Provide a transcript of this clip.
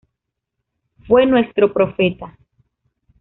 Fue nuestro profeta.